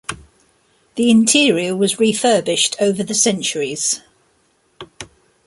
The interior was refurbished over the centuries.